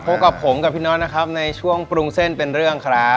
พบกับผมกับพี่นอทนะครับในช่วงปรุงเส้นเป็นเรื่องครับ